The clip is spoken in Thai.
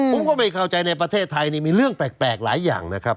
ผมก็ไม่เข้าใจในประเทศไทยนี่มีเรื่องแปลกหลายอย่างนะครับ